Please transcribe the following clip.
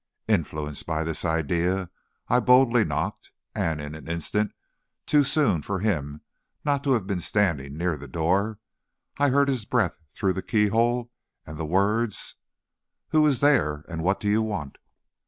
Influenced by this idea, I boldly knocked, and in an instant too soon for him not to have been standing near the door I heard his breath through the keyhole and the words: "Who is there, and what do you want?"